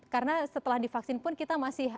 karena setelah divaksin pun kita masih